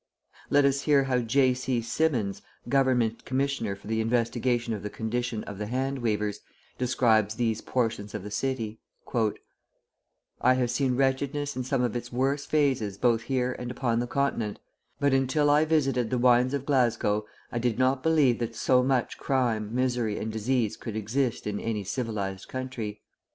Let us hear how J. C. Symonds, Government Commissioner for the investigation of the condition of the hand weavers, describes these portions of the city: "I have seen wretchedness in some of its worse phases both here and upon the Continent, but until I visited the wynds of Glasgow I did not believe that so much crime, misery, and disease could exist in any civilised country.